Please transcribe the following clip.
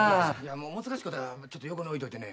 難しいことはちょっと横に置いといてね